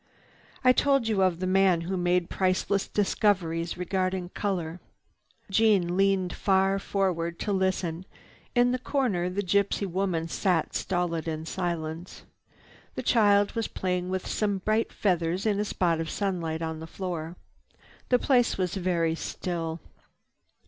"I told you of the man who made priceless discoveries regarding color." Jeanne leaned far forward to listen. In the corner the gypsy woman sat stolid in silence. The child was playing with some bright feathers in a spot of sunlight on the floor. The place was very still.